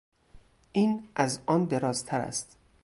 این از آن دراز تر است.